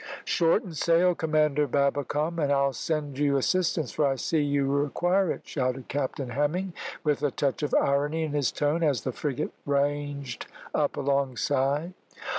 "Shorten sail, Commander Babbicome, and I'll send you assistance, for I see you require it," shouted Captain Hemming, with a touch of irony in his tone, as the frigate ranged up alongside.